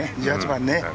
１８番ね。